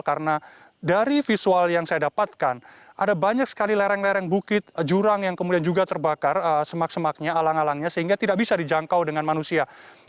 karena dari visual yang saya dapatkan ada banyak sekali lereng lereng bukit jurang yang kemudian juga terbakar semak semaknya alang alangnya sehingga tidak bisa dijangkau dengan manusia